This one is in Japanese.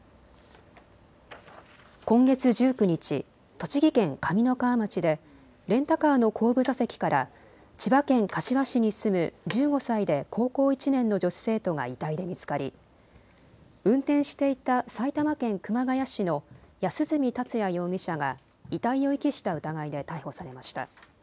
今月１９日、栃木県上三川町でレンタカーの後部座席から千葉県柏市に住む１５歳で高校１年の女子生徒が遺体で見つかり運転していた埼玉県熊谷市の安栖達也容疑者が遺体を遺棄した疑いで逮捕されました。